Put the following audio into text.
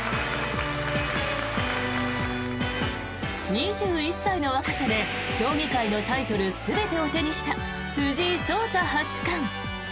２１歳の若さで将棋界のタイトル全てを手にした藤井聡太八冠。